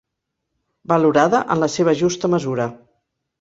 Valorada en la seva justa mesura.